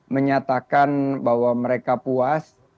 menyatakan bahwa mereka puas